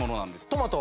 トマト